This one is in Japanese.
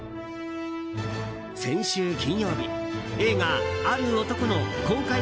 先週金曜日、映画「ある男」の公開